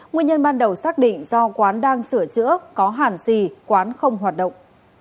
nguyên nhân ban đầu xác định do quán đang sửa chữa có hẳn gì quán không hoạt động